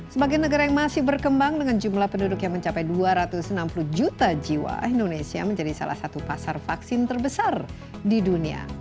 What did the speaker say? sebagai negara yang masih berkembang dengan jumlah penduduk yang mencapai dua ratus enam puluh juta jiwa indonesia menjadi salah satu pasar vaksin terbesar di dunia